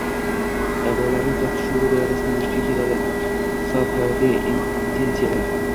da’volari tortishuvi doirasida vujudga keladi. Sof hayotiy intensiyalar